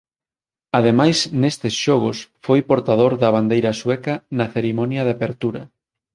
Ademais nestes xogos foi portador da bandeira sueca na cerimonia de apertura.